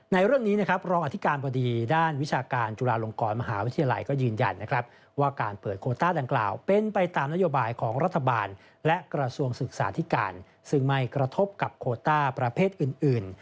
ในเรื่องนี้นะครับรองอธิการบดีด้านวิชาการจุฬาลงกรมหาวิทยาลัยก็ยืนยันนะครับว่าการเปิดโคต้าดังกล่าวเป็นไปตามนโยบายของรัฐบาลและกระทรวงศึกษาธิการซึ่งไม่กระทบกับโคต้าประเภทอื่น